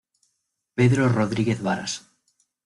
Pedro Rodríguez Varas.